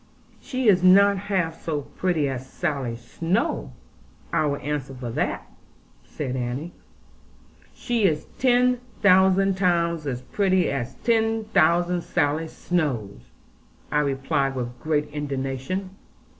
'She is not half so pretty as Sally Snowe; I will answer for that,' said Annie. 'She is ten thousand times as pretty as ten thousand Sally Snowes,' I replied with great indignation.